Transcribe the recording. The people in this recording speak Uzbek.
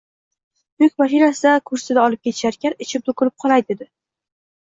Yuk mashinasida kursini olib ketisharkan, ichim to`kilib qolay dedi